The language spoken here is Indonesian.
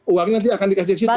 uangnya nanti akan dikasih ke situ